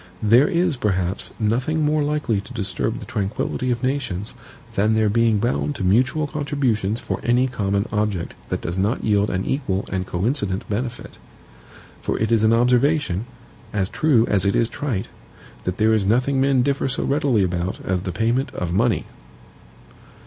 There is, perhaps, nothing more likely to disturb the tranquillity of nations than their being bound to mutual contributions for any common object that does not yield an equal and coincident benefit. For it is an observation, as true as it is trite, that there is nothing men differ so readily about as the payment of money.